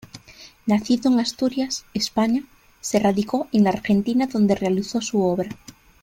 Nacido en Asturias, España, se radicó en la Argentina donde realizó su obra.